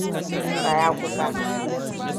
Tsaya kusa.